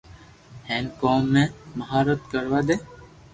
ھيين ڪوم ۾ ماھارت ڪروا دي